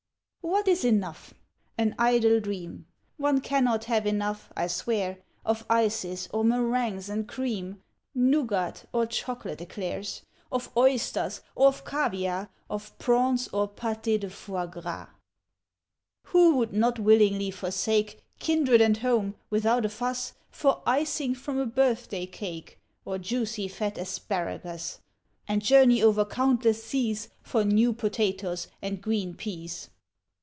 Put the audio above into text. _" What is Enough? An idle dream! One cannot have enough, I swear, Of Ices or Meringues and Cream, Nougat or Chocolate Eclairs, Of Oysters or of Caviar, Of Prawns or Paté de Foie Grar! Who would not willingly forsake Kindred and Home, without a fuss, For Icing from a Birthday Cake, Or juicy fat Asparagus, And journey over countless seas For New Potatoes and Green Peas?